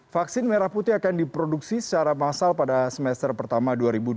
vaksin merah putih akan diproduksi secara massal pada semester pertama dua ribu dua puluh